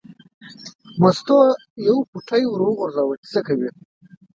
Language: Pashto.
مستو یو پوټی ور وغورځاوه چې څه کوي.